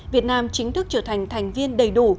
việt nam chính thức trở thành thành viên đầy đủ